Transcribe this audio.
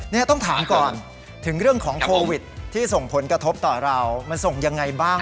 นี่ต้องถามก่อนถึงเรื่องของโควิดที่ส่งผลกระทบต่อเรามันส่งยังไงบ้าง